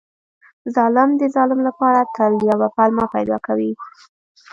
ظالم د ظلم لپاره تل یوه پلمه پیدا کوي.